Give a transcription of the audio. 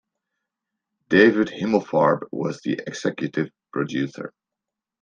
David Himelfarb was the executive producer.